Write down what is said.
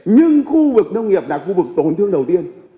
nhưng khu vực nông nghiệp là khu vực tổn thương đầu tiên